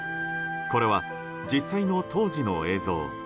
これは、実際の当時の映像。